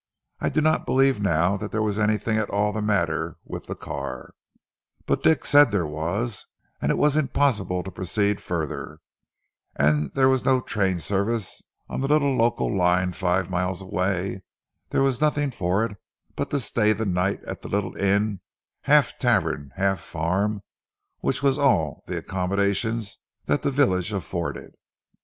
I do not believe now that there was anything at all the matter with the car, but Dick said there was, and as it was impossible to proceed further, and there was no train service on the little local line five miles away, there was nothing for it but to stay the night at the little inn, half tavern, half farm, which was all the accommodation that the village afforded....